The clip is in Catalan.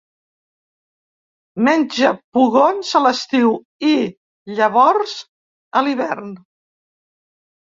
Menja pugons a l'estiu i llavors a l'hivern.